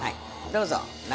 どうぞ中。